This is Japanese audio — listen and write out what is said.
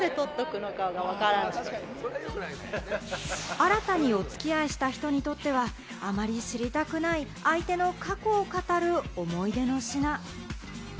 新たにお付き合いした人にとっては、あまり知りたくない相手の過去を語る思い出の品。